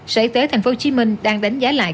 sở y tế thành phố hồ chí minh đang đánh giá lại